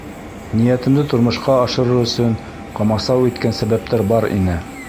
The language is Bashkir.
Ниәтемде тормошҡа ашырыр өсөн ҡамасау иткән сәбәптәр бар ине.